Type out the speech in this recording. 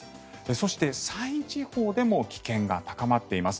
そして、山陰地方でも危険が高まっています。